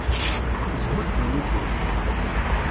Zhu dunnit-im.